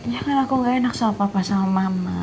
ya kan aku ga enak sama papa sama mama